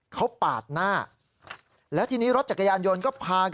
เขาปาดหน้า